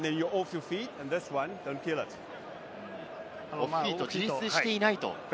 オフフィート、自立していないと。